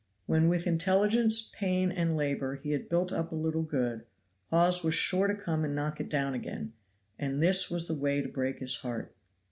When with intelligence, pain and labor he had built up a little good, Hawes was sure to come and knock it down again; and this was the way to break his heart.